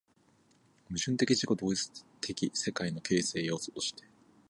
矛盾的自己同一的世界の形成要素として